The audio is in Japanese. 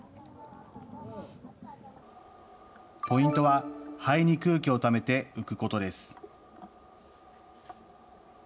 ポイントは肺に空気をためて浮くことです。